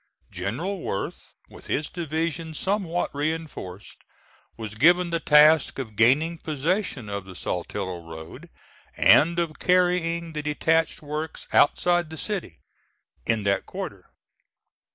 General Worth, with his division somewhat reinforced, was given the task of gaining possession of the Saltillo road, and of carrying the detached works outside the city, in that quarter.